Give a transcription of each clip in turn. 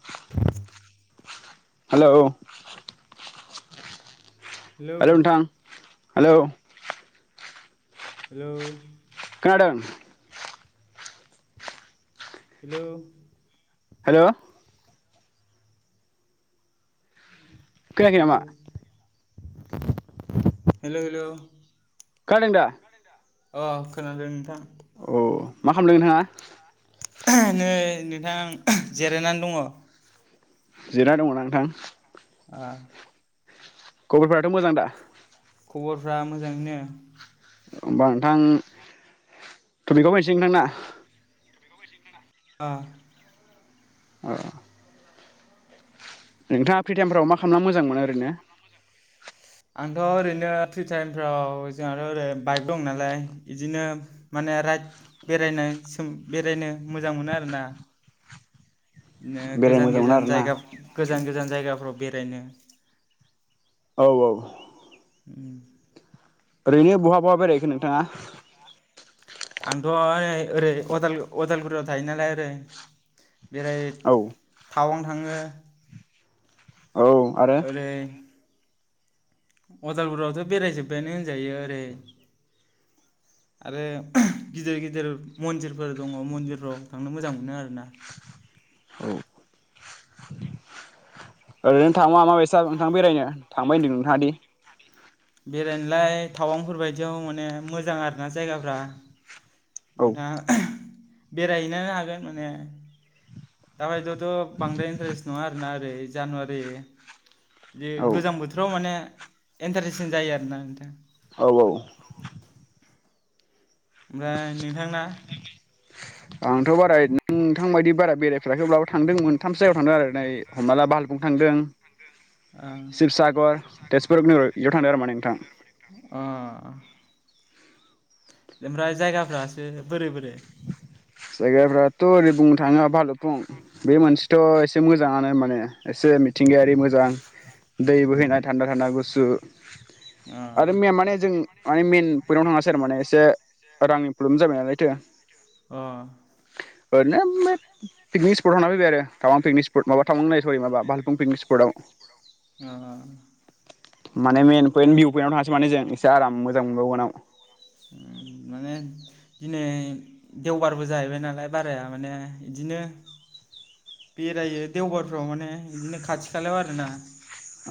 [inaudible] Hello hello hello hello खोनादों hello hello खोनायाखै hello नामा हेलौ हेलौ खोनादों दा अ खोनादों नोंथां अ मा खालामदों नोंथाङा नै नोंथां जिरायनानै दङ जिरायना दङना नोंथां आ खबरफोराथ मोजां दा खबरफ्रा मोजाङैनो होमबा नोंथां टपिकआव फैनोसै नोंथांना। अ अ नोंथाङा फ्रि टाइमफ्राव मा खालामना मोजां मोनो ओरैनो आंथ ओरैनो फ्रि टाइमफ्राव जोंहाथ ओरै बाइक दं नालाय बिदिनो माने राइड बेरायनो बेरायनो मोजां मोनो आरोना बिदिनो बेरायनो गोजान मोजां मोनो गोजान आरोना जायगा गोजान गोजान जायगाफ्राव बेरायनो औ औ उम ओरैनो बहा बहा बेरायहैखो नोंथाङा? आंथ ओहाय ओरै अदाल-अदालगुरियाव थायो नालाय ओरै बेराय औ थावां थाङो औ आरो उदालगुरियावथ बेरायजोब्बायानो होनजायो ओरै आरो गिदिर गिदिर मन्दिरफोर दङ मन्दिरफ्राव थांनो मोजां मोनो आरो ना ओरैनो थांबा माबायसा नोंथां बेरायनो थांबाय होनदों नोंथाङादि बेरायनोलाय टावांफोर बादियाव माने मोजां आरो ना जायगाफ्रा औ नोंथाङा बेरायहैनो हागोन माने दाबायदियाव थ बांद्राय इन्टारेस्ट नङा आरोना बे जानुवारि बे औ गोजां बोथोराव माने एन्टारटेसन्टसिन जायो आरोना नोंथां औ औ ओमफ्राय नोंथांना आंथ बारा [unintelligible] नोंथां बायदि बारा बेरायथ आखै अब्लाबो थांदों मोनथामसो जायगायाव थांदों आरो नायै हमना ला बाहालगुं थांदों अ सिबसागर तेजपुर नौ बेयाव थांदों आरो माने नोंथां अ ओमफ्राय जायगाफ्रासो बोरै बोरै जायगाफ्राथ ओरै बुंनो थाङा भालुफुं बे मोनसेथ एसे मोजाङानो माने एसे मिथिंगायारि मोजां दै बोहैनाय उम थान्दा थान्दा गुसु अ आरो मैया माने जों माने मेन फोराव थाङासै आरो माने एसे रांनि प्रब्लेम जाबाय नालायथो अ ओरैनो पिकनिक स्पट आव थांना फैबाय आरो। औ आं पिकनिक स्पट माबा थांमोन होन्नाय सरि माबा बाल फं पिनिक स्पटआव। अ माने मेन पइन्ट भिउ पइन्टआव थाङासै माने जों एसे आराम मोजांबावगोनाव। उम माने दिनै देवबारबो जाहैबाय नालाय बाराया माने बिदिनो बेरायो देवबारफ्राव माने बिदिनो खाथि खालायाव आरोना।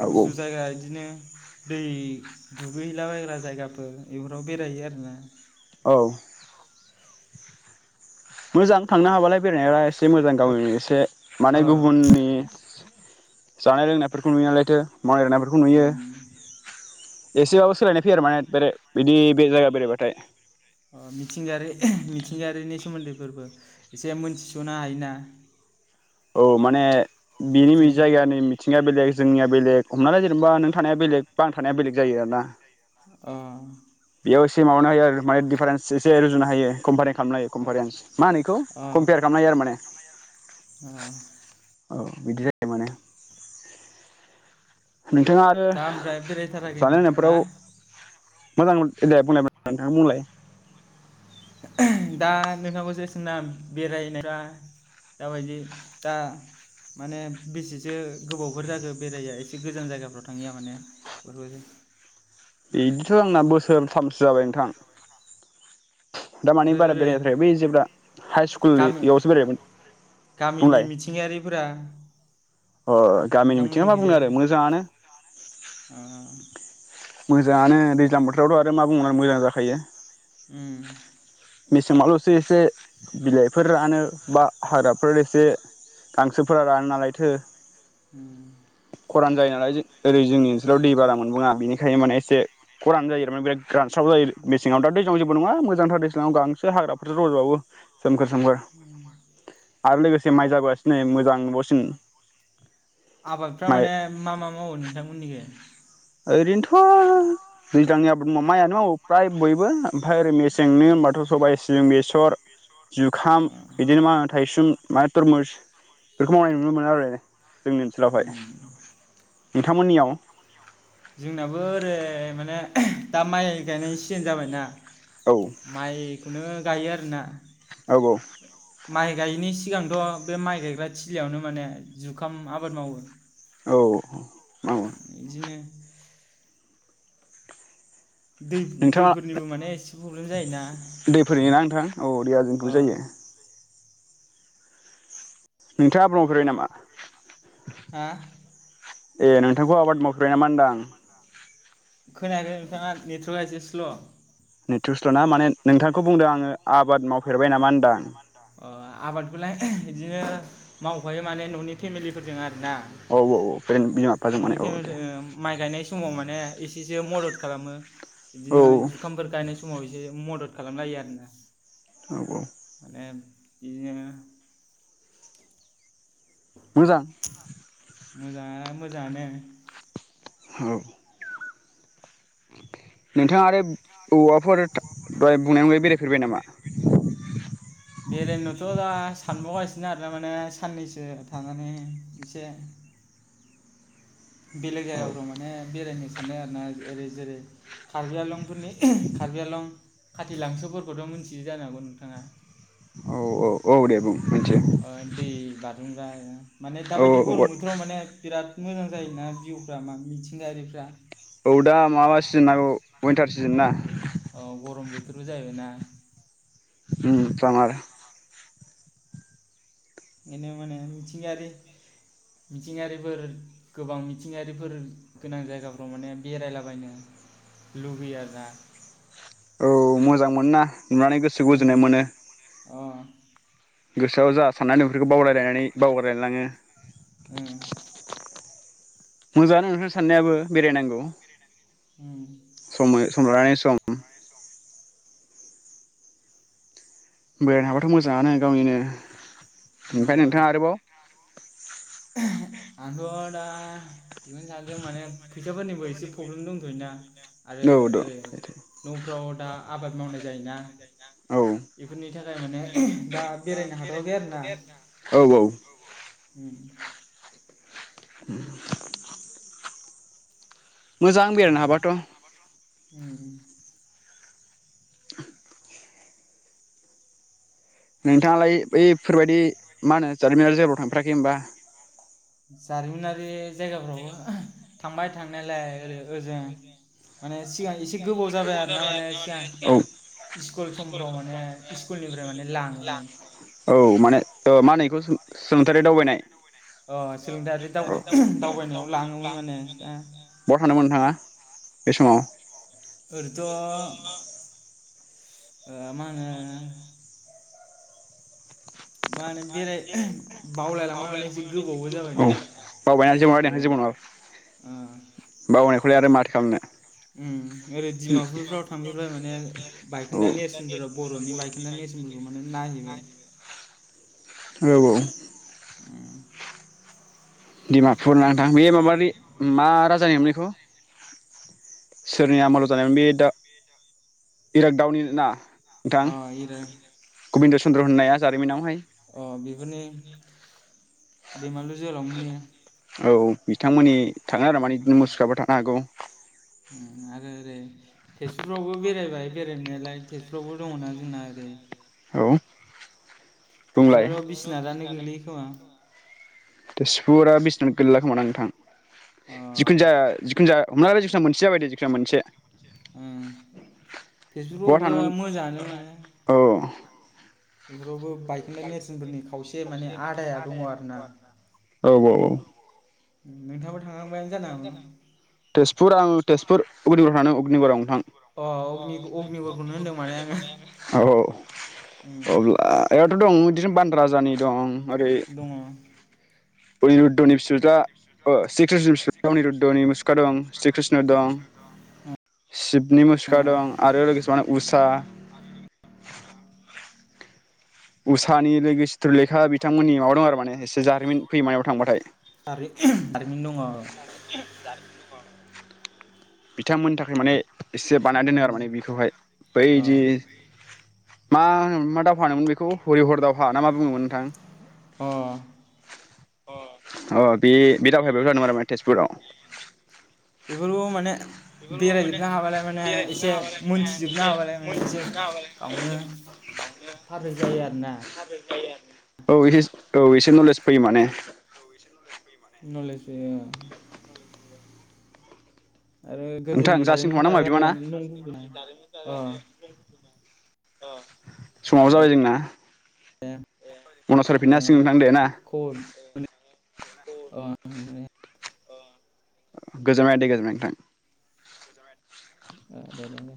औ गुसु जायगा इदिनो। दै दुगैहैलाबायग्रा जायगाफोर बेफोराव बेरायो आरोना। औ। मोजां थांनो हाबालाय। बेरायनाया एसे मोजां गाव एसे माने अ गुबुननि जानाय लोंनायफोरखौ नुया लायथो। मावदेरनायफोरखौ नुयो। उम एसेबाबो सोलायनाय फैयो आरो माने बेरे बिदि बे जायगा बेरायबाथाय। अ मिथिंगायारि मिथिंगायारिनि सोमोन्दैफोरबो एसे मोनथिसनो हायोना। औ माने बिनि जों जायगानि मिथिं निया बेलग जोंनिया बेलेग हमनानै ला जेनेबा नों थानाया बेलेग बा आं थानाया बेलेग जायो आरोना। अ बेयाव इसे माबाना होयो आरो दिफारेनस इसे रुजुनो हायो खमबारे खालामनो हायो कमफारेन्स मा होनो अ कमपेयार खालामनो हायो आरो माने। अ औ बिदि जायो माने। नोंथाङा आरो दा ओमफाय बेराय थाराखै जानाय हा। लोंनायफोराव मोजां दे बुंलाय नोंथां बुंलाय। दा नोंथांखौसो सोंदों आं बेरायनाय दा बायदि दामाने बेसेसो गोबावफोर जाखो बेराया एसे गोजान जायगाफ्राव थाङैया माने बेफोरबायदि। बिदिथ आंना बोसोरथामसो जाबाय नोंथां। दा माने आरो बारा ओरै बेरायनाय थाराखैय बै जेब्ला हाइ स्कुलनि गामि इयावसो बेरायमोन गामिनि बुंलाय। मिथिंगायारिफोरा अ गामिनि बिथिंङा मा बुंनो नोंथांमोननिखैजाय आरो मोजाङानो। ओ मोजाङानो दैज्लां बोथोरावथ आरो मा बुंनानै मोजां जाखायो। उम। मेसेङावलसो एसे बिलाइफोर रानो बा हाग्राफोर एसे गांसोफोरा रानो नालायथो। उम। खरान जायो नालाय ओरै जोंनि ओनसोलाव अ दै बारा मोनबाङा बेनिखायनो माने एसे। खरान जायो माने बिराद रानस्राव जायो मेसेंङाव दा दैजां जेबो नंङा मोजांथार लां गांसो हाग्राफोर रजबावो सोमखोर सोमखोर आरो लोगोसे माइ जाबोगासिनो नै मोजां नुबावसिगोन। आबादफ्रा माने मा मा मावो नोंथांमोननिखै? ओरैनोथ दैजांनि आबाद माइयानो मावो फ्राय बयबो ओमफ्राय ओरै मेस सेंनि होनबाथ सबाइ, सिबि, बे सर जुखाम बिदिनो मा होनो थायसुम मा तरमुस बेफोरखौ मावनाय नुनो मोनो आरो। जोंनि ओनसोलावहाय। उम नोंथांमोननियाव जोंनाबो ओरै माने दा माइ गायनायनि सिजेन जाबायना औ माइखौनो गायो आरोना औ औ माइ गायैनि सिगांथ बे माइ गायग्रा थिलियावनो माने जुखाम आबाद मावो। औ इदिनो नोंथाङा दै-दैफोरनिबो माने एसे प्रब्लेम जायोना दै फोरोङोना नोंथां औ दैया अ जोंखौबो जायो नोंथाङा ब्रफेरबाय नामा? हा ए नोंथांखौ आबाद मावफेरबाय नामा होनदां? खोनायाखै नोंथांङा नेटवर्कआ एसे स्ल नेट्र स्ल ना माने नोंथांखौ बुंदों आंङो आबाद मावफेरबाय नामा होनदां? अ आबादखौलाय बिदिनो मावफायो माने ननि फेमिलिफोरजों आरो औ औ औ बिमाफा बिफाजों मा ने औ दे ओ माइ गायनाय समाव माने एसेसो मदद खालामो। औ बिदिनो जुखामफोर गायनाय समाव एसे मदद खालामलायो आरोना औ औ ए इदिनो मोजां मोजांङा मोजांङानो। हौ नोंथाङा आरो औवाफोर दहाय बुंनायावहाय बेरायफैबाय नामा? बेरायनोथ दा सानबावगासिनो आरो माने सान्नैसो थानानै एसे बेलेग औ जागायाफोराव माने बेरायनोसै सानो आरोना ओरै जेरै कार्बि आलं फोरनि कार्बि आलं खाथि लांस'फोरखौथ मिथियो जानो हागौ नोंथाङा? औ औ औ दे बुं। मोनथियो अ दै बार थुंग्रायो माने औ दाबायदि गरम औ बोथोराव माने बिराद मोजां जायोना भिउफ्रा माने मिथिंगायारिफ्रा औ दा माबा सिजोन नांगौ विन्टार सिजोन ना। रूजायबायना। उम सामार बेनो माने मिथिंगायारि मिथिंगारिफोर गोबां मिथिंगायारिफोर गोनां जायगाफ्राव माने बेरायलाबायनो लुुबैयो आरोना। औ मोजां मोनोना नुनानै गोसोखौ उम गोजोन्नाय मोनो। अ गोसोआव जा सान्नानै दं बेफोरखौ बावलायलायनानै बावगारलायलाङो। उम। मोजाङानो नोंथां सान्नायाबो बेरायनांगौ। उम। सम ओ समलानानै सम। बेरायनो हाबाथ मोजाङानो गावनिनो ओमफ्राय मोजां। नोंथाङा आरोबाव आंथ दा बेखौनो सान्दों माने फैसाफोरनि बो एसे प्रब्लेम दंथयोना आरो औ द ओरै न'फ्राव दा आबाद मावनाय जायोना औ बेफोरनि थाखाय माने ओ दा बेरायनो हाथवाखै आरो ना। औ औ। उम [inaudible] [unintelligible] मोजां बेरायनो हाबाथ। उम। नोंथाङालाय बैफोरबायादि मा होनो जारिमिनाव जायगायाव थांफेराखै होमबा? जारिमिनारि जायगाफ्रावबो थांबाय थांनायलाय ओरै ओजों माने सिगां एसे गोबाव जाबाय आरो ना माने सिगां स्कुल समफ्राव माने स्कुलनिफ्राय माने लाङोमोन औ औ माने ओ मा होनो एखौ सो-सोलोंथाय दावबायनाय अ सोलोंथायारि दावबाय दावबायनायाव लाङोमोन माने ओ। बहा थांदोंमोन नोंथाङा बे समाव। ओरैथ। ओ मा होनो। मा होनो औ बेराय बावबायना जेबो बावलायलांबाय माने एसे नङा गोबावबो दे जाबायना जेबो नङा ओरै बावनायख। खौलाय आरो माथो खालामनो। ओ ओरैडिमापुरफ्राव थांफेरबाय माने औ बायखोन्दा नेरसोनफोराव बरनि गायखोन्दा नेरसोनफोरखौ माने नायहैबाय। औ औ। उम डिमापुर नानोंथां बे माबानि मा राज। जानायमोनलाय एखौ सोरनि आमालाव जानायोन बे दा। इरागदावनि ना नोंथां। अ इरा गबिन्द चन्द्र होननाया जारिमिनावहाय। अ बेफोरनि। दैमालु। जोहोलामोन एयो। औ बिथांमोननि। थाङा आरो माने मुसुफ्राबो थानो हागौ। उम आरो ओरै तेजपुरावबो बेरायबाय बेरायनायालाय तेजपुरावबो दङना जोंना ओरै। औ। बुंलाय थेसफुराव बिसिनाथानो गोग्लैयो खोमा। तेसफुरा बिसनाथ गोलैला खोमा दां। अ जिखुन जा जिखुन जा [unintelligible] [unintelligible] जाबाय दे मोनसे उम बहा तेजपुरफ्रावबो थांदोमोन मोजाङानो माने औ। [unintelligible] नेरसोनफोरनि खावसे औ माने आदाया दङ आरोना औ औ। नोंथां तेजपुर आङो तेजपुर अग्निगर थांदोंमोन अग्निगराव नोंथां। अ अग्नि अग्निगरखौनो होनदों माने आङो औ उम औ अब्ला। [unintelligible] दं बिदिनो बान राजानि दं। ओरै दङ। अनिरुद्धनि फिस [unintelligible] [unintelligible] दं स्री कृष्ण दं। शिबनि मुसुखा दं आरो लोगोसे उसा उसानि लोगो सित्रलेखा बि बिथांमोननि माबा दं आरो माने एसे जारिमिन फै मायावबा थांबाथाय दारि दारिमिन दङ अ जारिमिन दङ बिथांमोननि थाखाय माने एसे बानायना दोनो आरो माने बेखौहाय बैदि मा मा दावहानोमोन बेखौ हरि हर दावहा ना मा बुङोमोन नोंथां अ अ बे बे दावहाया बेयाव जादोंमोन आरो तेजपुराव बेफोरखौ माने बेरायजोबनो हाबालाय माने एसे मोनथिजोबनो हाबालाय माने एसे गावनो पारफेक जायो आरोना। औ ए औ एसे नलेज फैयो माने। औ नलेज फैयो माने। नलेज फैयो औ आरो नोंथां गोदोनि जासिगोन खोमा ना होमबा बिदिबा ना जारिमिनफोरा [unintelligible] अ समाबो दे जाबाय जोंना। [unintelligible] मनसर ओ माला [unintelligible] दे ना खबर अ मोनो गोजोनबाय दे गोजोनबाय नोंथां। अ दे दे दे